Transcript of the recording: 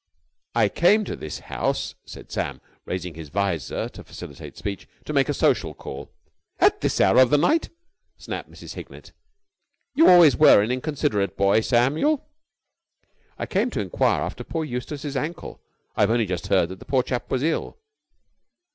"I came to this house," said Sam, raising his vizor to facilitate speech, "to make a social call...." "At this hour of the night!" snapped Mrs. Hignett. "You always were an inconsiderate boy, Samuel." "I came to enquire after poor Eustace's ankle. I've only just heard that the poor chap was ill."